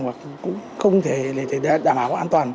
hoặc cũng không thể đảm bảo an toàn